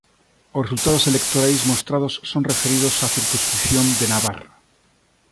Os resultados electorais mostrados son referidos á circunscrición de Navarra.